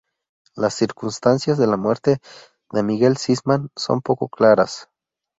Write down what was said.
Las circunstancias de la muerte de Miguel Sisman son poco claras.